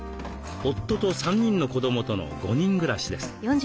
夫と３人の子どもとの５人暮らしです。